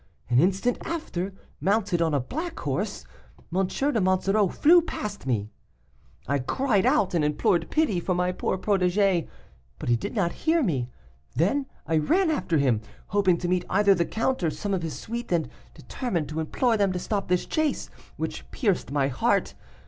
An instant after, mounted on a black horse, M. de Monsoreau flew past me. "I cried out and implored pity for my poor protegee, but he did not hear me. Then I ran after him, hoping to meet either the count or some of his suite and determined to implore them to stop this chase, which pierced my heart.